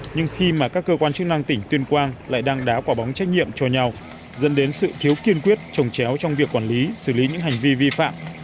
nhưng khi mà các cơ quan chức năng tỉnh tuyên quang lại đăng đá quả bóng trách nhiệm cho nhau dẫn đến sự thiếu kiên quyết trồng chéo trong việc quản lý xử lý những hành vi vi phạm